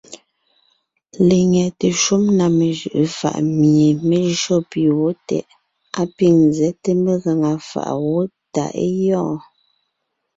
Lenyɛte shúm na mejʉʼʉ faʼ mie mé jÿó pì wó tɛʼ, á pîŋ nzɛ́te megaŋa fàʼ wó tà é gyɔɔn.